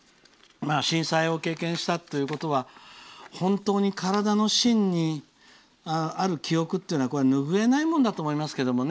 震災を経験したということは本当に体の芯にある記憶は拭えないものだと思いますけどね。